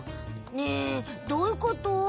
ねえどういうこと？